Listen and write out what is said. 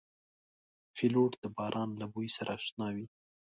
پیلوټ د باران له بوی سره اشنا وي.